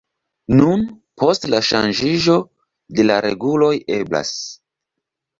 Nun, post la ŝanĝiĝo de la reguloj eblas.